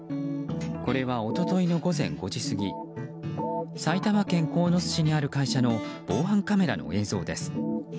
これは一昨日の午前５時過ぎ埼玉県鴻巣市にある会社の防犯カメラの映像です。